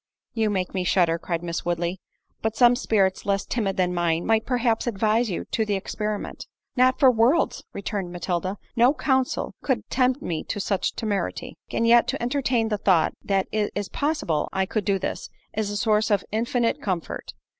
"You make me shudder," cried Miss Woodley; "but some spirits less timid than mine, might perhaps advise you to the experiment." "Not for worlds!" returned Matilda, "no counsel could tempt me to such temerity—and yet to entertain the thought that it is possible I could do this, is a source of infinite comfort."